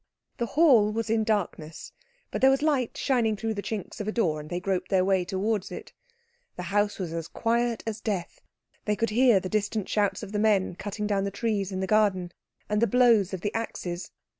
The hall was in darkness, but there was light shining through the chinks of a door, and they groped their way towards it. The house was as quiet as death. They could hear the distant shouts of the men cutting down the trees in the garden, and the blows of the axes.